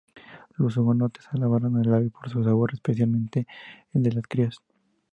Los hugonotes alabaron el ave por su sabor, especialmente el de las crías.